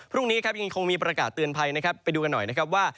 พรุ่งนี้ครับยังคงมีประกาศเตือนภัยนะครับไปดูกันหน่อยนะครับว่า